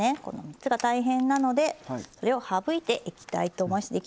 この３つが大変なのでこれを省いていきたいと思います。